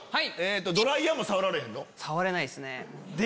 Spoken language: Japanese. ドライヤーも触られへんの？